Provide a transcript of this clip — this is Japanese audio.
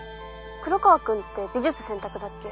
黒川くんって美術選択だっけ？